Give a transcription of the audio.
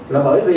là bởi vì